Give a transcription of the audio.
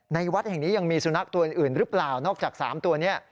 วัดแห่งนี้ยังมีสุนัขตัวอื่นหรือเปล่านอกจาก๓ตัวนี้